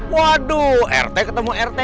waduh rt ketemu rt